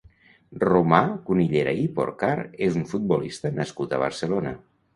Romà Cunillera i Porcar és un futbolista nascut a Barcelona.